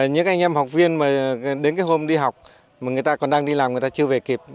những anh em học viên mà đến cái hôm đi học mà người ta còn đang đi làm người ta chưa về kịp